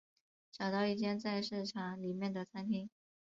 找到一间在市场里面的餐厅